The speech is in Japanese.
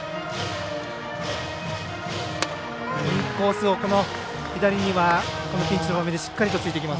インコースを左にはこのピンチの場面でしっかりとついてきます。